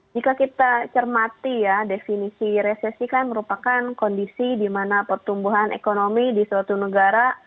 jika kita cermati ya definisi resesi kan merupakan kondisi di mana pertumbuhan ekonomi di suatu negara